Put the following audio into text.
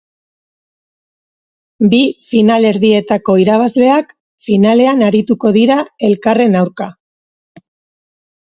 Bi finalerdietako irabazleak finalean arituko dira elkarren aurka.